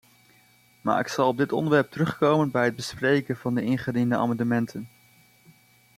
Maar ik zal op dit onderwerp terugkomen bij het bespreken van de ingediende amendementen.